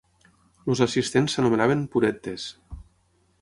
Els assistents s'anomenaven "Purettes".